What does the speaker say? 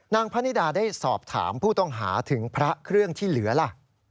พระนิดาได้สอบถามผู้ต้องหาถึงพระเครื่องที่เหลือล่ะ